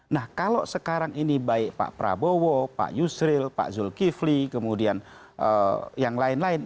nah kalau sekarang ini baik pak prabowo pak yusril pak zulkifli kemudian yang lain lain